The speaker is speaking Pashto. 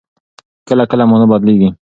کله کله مانا بدلېږي.